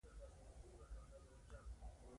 هغه پوهېده چې د کار تر کولو وړاندې مشوره پکار ده.